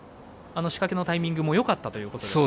仕掛けのタイミングもよかったということで。